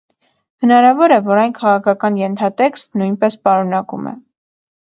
Հնարավոր է, որ այն քաղաքական ենթատեքստ նույնպես պարունակում է։